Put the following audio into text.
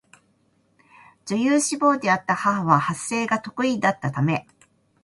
女優志望であった母は発声が得意だったため寝る時には必ず光に本を毎晩読み聞かせており、光は楽しみにしていた